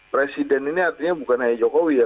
presiden ini artinya bukan hanya jokowi ya